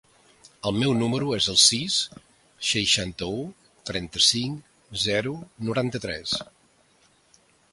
El meu número es el sis, seixanta-u, trenta-cinc, zero, noranta-tres.